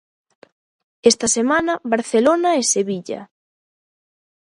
Esta semana Barcelona e Sevilla.